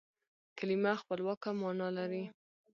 کلیمه خپلواکه مانا لري.